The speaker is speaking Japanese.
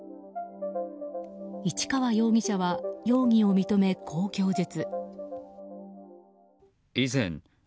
市川容疑者は容疑を認めこう供述。